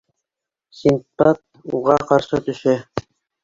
Синдбад уға ҡаршы төшә: